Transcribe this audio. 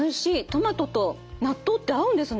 トマトと納豆って合うんですね！